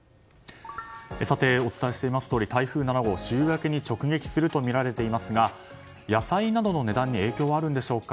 お伝えしていますとおり台風７号、週明けに直撃するとみられていますが野菜などの値段に影響はあるんでしょうか。